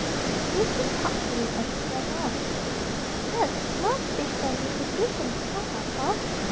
He listened thoughtfully as she went on: "Yes, we must fish for a new position for papa.